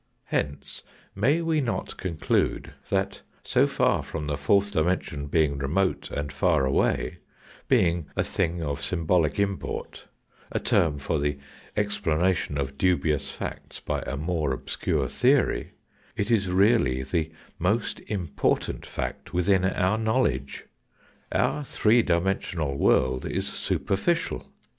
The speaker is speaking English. Hence, may we not conclude that, so far from the fourth dimension being remote and far away, being a thing of symbolic import, a term for the explanation of dubious facts by a more obscure theory, it is really the most important fact within our knowledge. Our three dimensional world is superficial.